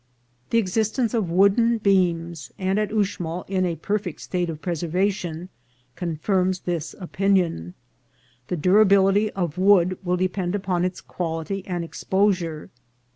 The existence of wooden beams, and at Uxmal in a perfect state of preservation, confirms this opinion. The durability of wood will depend upon its quality and exposure.